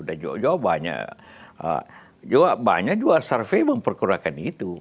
dan jawabannya jawabannya juga survei memperkurakan itu